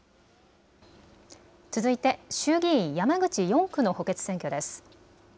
続いて衆議院山口４区の補欠選挙です。